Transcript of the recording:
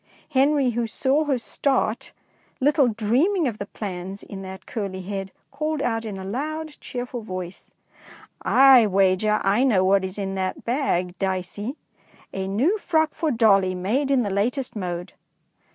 Henry, who saw her start, little dreaming of the plans in that curly head, called out in a loud, cheerful voice, — I wager I know what is in that bag, 230 DICEY LANGSTON Dicey. A new frock for dolly, made in the latest mode.